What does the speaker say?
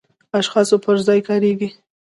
اشخاصو پر ځای کاریږي.